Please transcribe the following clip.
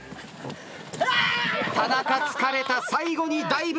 田中疲れた最後にダイブ。